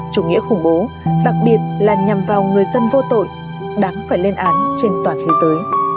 chủ nghĩa khủng bố đặc biệt là nhằm vào người dân vô tội đáng phải lên án trên toàn thế giới